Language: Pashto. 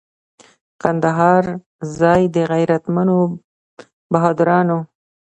کندهار ځای د غیرتمنو بهادرانو.